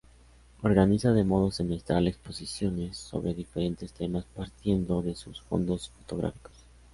Organiza de modo semestral exposiciones sobre diferentes temas partiendo de sus fondos fotográficos.